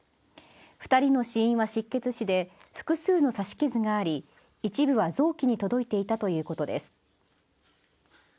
２人の死因は失血死で複数の刺し傷があり一部は臓器に届いていたということです。